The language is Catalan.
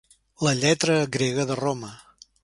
La lletra grega de Roma.